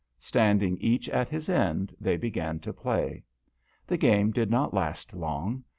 Standing each at his end they began to play. The game did not last long.